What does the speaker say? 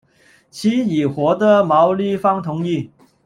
此议获得毛利方同意。